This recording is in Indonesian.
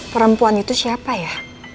perempuan itu siapa ya